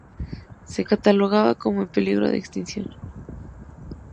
Se cataloga como "En peligro de Extinción".